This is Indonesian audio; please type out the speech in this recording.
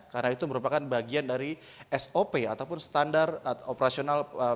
karena itu merupakan bagian dari sop ataupun standar operasional prosedur